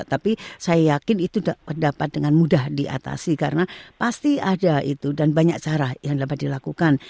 tapi saya yakin itu dapat dengan mudah diatasi karena pasti ada itu dan banyak cara yang dapat dilakukan